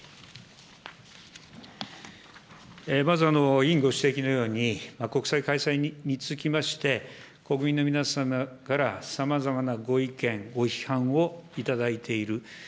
まず、委員ご指摘のように、国葬開催につきまして、国民の皆様からさまざまなご意見、ご批判をいただいている。